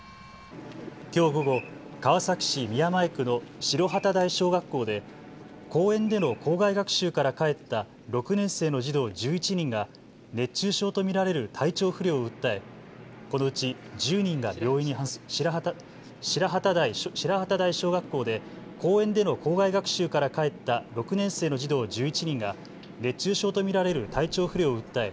きょう午後、川崎市宮前区の白幡台小学校で公園での校外学習から帰った６年生の児童１１人が熱中症と見られる体調不良を訴え、このうち１０人が白幡台小学校で公園での校外学習から帰った６年生の児童１１人が熱中症と見られる体調不良を訴え